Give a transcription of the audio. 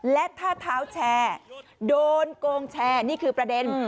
และถ้าเท้าแชร์โดนโกงแชร์นี่คือประเด็น